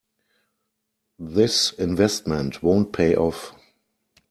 This investment won't pay off.